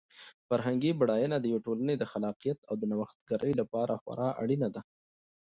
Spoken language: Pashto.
فرهنګي بډاینه د یوې ټولنې د خلاقیت او د نوښتګرۍ لپاره خورا اړینه ده.